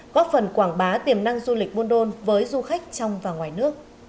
góp phần quảng bá tiềm năng du lịch buôn đôn với du khách trong và ngoài nước